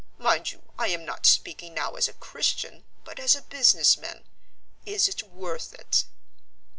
Mind you, I am not speaking now as a Christian, but as a businessman. Is it worth it?"